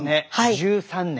１３年。